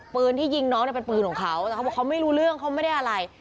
ปืนที่ยิงน้องเนี่ยเป็นปืนของเขาแต่เขาบอกเขาไม่รู้เรื่องเขาไม่ได้อะไร